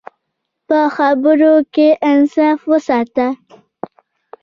په خبرو کې انصاف وساته.